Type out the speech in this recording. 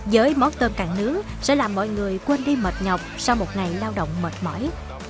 với món tôm càng nướng sẽ làm mọi người quên đi mệt nhọc sau một ngày lao động mệt mỏi